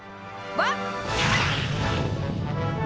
ワン！